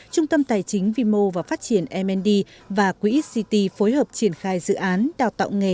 trung tâm tài chính vimo và phát triển mnd và quỹ xct phối hợp triển khai dự án đào tạo nghề